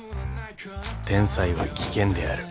［天才は危険である］